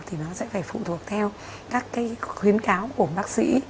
thì nó sẽ phải phụ thuộc theo các khuyến cáo của bác sĩ